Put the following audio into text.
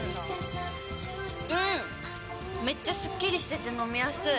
めっちゃすっきりしてて飲みやすい。